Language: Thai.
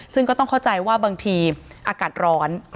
ซึ่งก็ต้องเข้าใจว่าบางทีอากาศร้อน